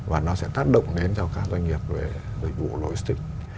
và nó sẽ tác động đến cho các doanh nghiệp về dịch vụ logistics